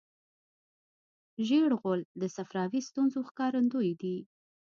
ژېړ غول د صفراوي ستونزو ښکارندوی دی.